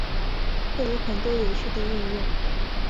会有很多有趣的应用